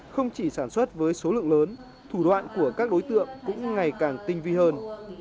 không chỉ sản xuất với số lượng lớn thủ đoạn của các đối tượng cũng ngày càng tinh viên